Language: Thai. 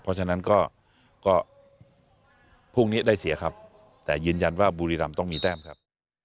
เพราะฉะนั้นก็พรุ่งนี้ได้เสียครับแต่ยืนยันว่าบุรีรำต้องมีแต้มครับ